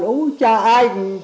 cậu thấy thầy gặp mẹ